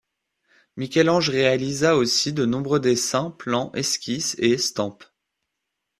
Michel-Ange réalisa aussi de nombreux dessins, plans, esquisses et estampes.